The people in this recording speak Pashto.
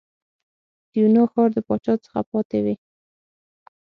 د یونا ښار د پاچا څخه پاتې وې.